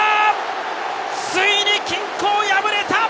ついに均衡破れた！